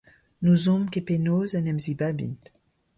N'ouzomp ket penaos en em zibabint